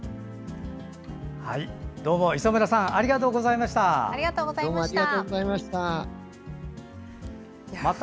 どうも磯村さんありがとうございました。